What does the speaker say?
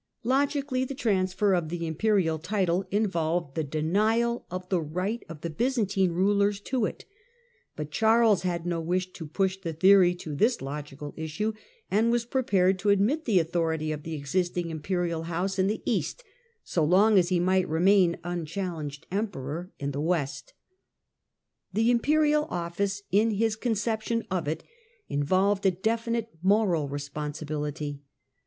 Logically, the transfer of the Imperial title involved the denial of the right of the Byzantine rulers to it ; but Charles had no wish to push the theory to this logical issue, and was prepared to admit the authority of the existing Imperial j house in the east so long as he might remain un challenged Emperor in the west. The Imperial office, in his conception of it, involved | a definite moral responsibility.